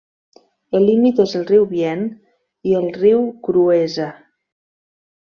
El límit és el riu Vienne i el riu Cruesa.